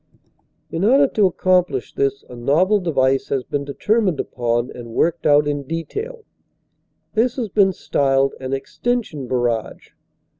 In order to accomplish this a novel device has been deter mined upon and worked out in detail. This has been styled an "extension barrage."